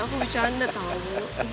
aku bicara tau